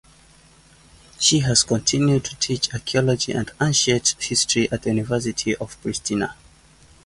She has continued to teach archaeology and ancient history at the University of Pristina.